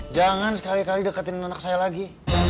jangan sekali kali deketin anak saya lagi